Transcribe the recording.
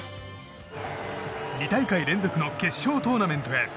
２大会連続の決勝トーナメントへ。